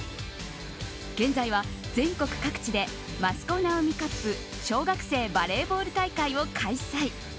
現在は全国各地で益子直美カップ小学生バレーボール大会を開催。